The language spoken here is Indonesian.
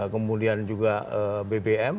kemudian juga bbm